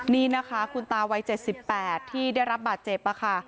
นี่นะคะคุณตาวัยเจ็บสิบแปดที่ได้รับบาดเจ็บอ่ะค่ะ